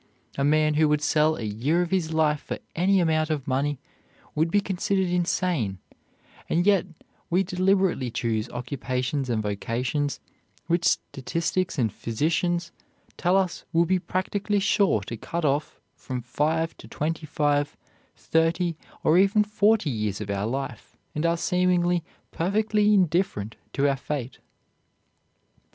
A man who would sell a year of his life for any amount of money would be considered insane, and yet we deliberately choose occupations and vocations which statistics and physicians tell us will be practically sure to cut off from five to twenty five, thirty, or even forty years of our lives, and are seemingly perfectly indifferent to our fate.